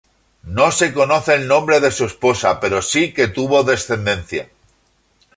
No se conoce el nombre de su esposa pero sí que tuvo descendencia.